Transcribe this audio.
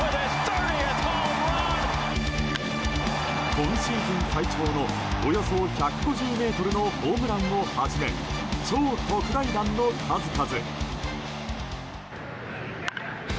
今シーズン最長のおよそ１５０ｍのホームランをはじめ超特大弾の数々。